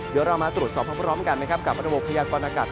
เดี๋ยวเรามาตรวจสอบพร้อมกันนะครับกับระบบพยากรณากาศ